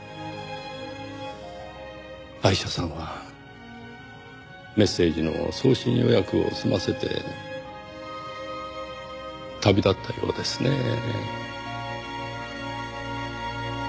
アイシャさんはメッセージの送信予約を済ませて旅立ったようですねぇ。